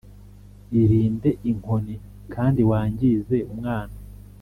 irinde inkoni kandi wangize umwana